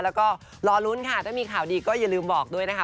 แล้วก็รอลุ้นค่ะถ้ามีข่าวดีก็อย่าลืมบอกด้วยนะคะ